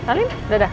salim udah dah